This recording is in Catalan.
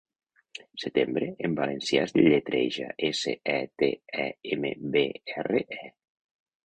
'Setembre' en valencià es lletreja: esse, e, te, e, eme, be, erre, e.